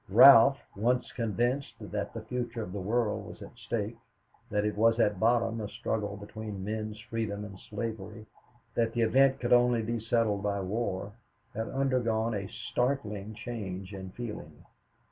Ralph, once convinced that the future of the world was at stake, that it was at bottom a struggle between men's freedom and slavery, that the event could only be settled by war, had undergone a startling change in feeling.